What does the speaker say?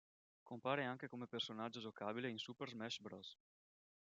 Compare anche come personaggio giocabile in "Super Smash Bros.